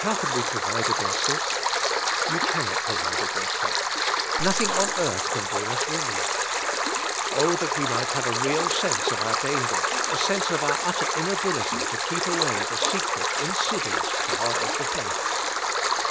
How can we provide against it? You cannot provide against it. Nothing on earth can bring us relief. Oh, that we might have a real 108 THE SPIKITUAL LIFE sense of our danger, a sense of our utter inability to keep awaj the secret, insidious power of the flesh.